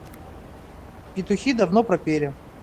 Петухи давно пропели.